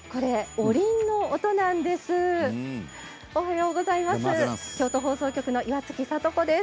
おはようございます。